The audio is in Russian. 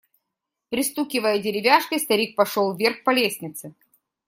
Пристукивая деревяшкой, старик пошел вверх по лестнице.